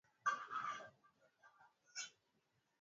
kuhusu dawa zinazosababisha utegemeaji wa kulevya walifafanua